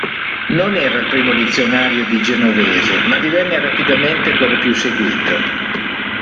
Non era il primo dizionario di genovese ma divenne rapidamente quello più seguito.